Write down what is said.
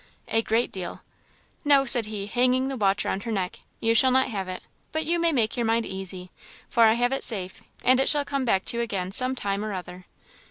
"A great deal." "No," said he, hanging the watch round her neck, "you shall not have it; but you may make your mind easy, for I have it safe, and it shall come back to you again some time or other."